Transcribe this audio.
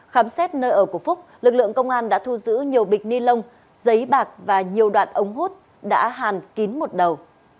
khám xét nơi ở của phúc lực lượng công an đã thu giữ nhiều bịch ni lông giấy bạc và nhiều đoạn ống hút đã hàn kín một đầu